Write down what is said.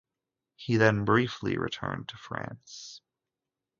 He then briefly returned to France.